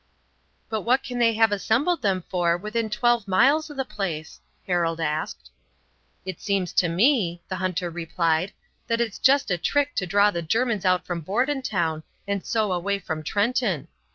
"But what can they have assembled them for within twelve miles of the place?" Harold asked. "It seems to me," the hunter replied, "that it's jest a trick to draw the Germans out from Bordentown and so away from Trenton.